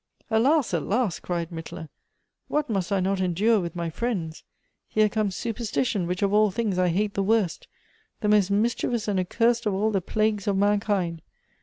"Alas, alas!" cried Mittler, "what must I not endure with my friends '? Here comes superstition, which of all things I hate the worst — the most mischievous and accursed of all the plagues of mankind.